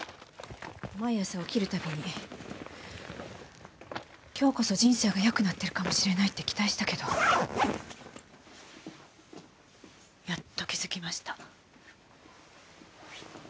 毎朝起きるたびに今日こそ人生が良くなってるかもしれないって期待したけどやっと気づきました。